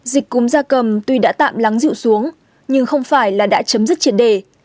dịch cúm da cầm tuy đã tạm lắng dịu xuống nhưng không phải là đã chấm dứt triển đề